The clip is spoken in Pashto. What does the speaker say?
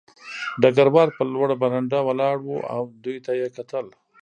ډګروال په لوړه برنډه ولاړ و او دوی ته یې کتل